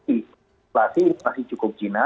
inflasi inflasi cukup jina